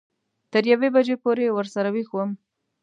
تر یوې بجې پورې ورسره وېښ وم.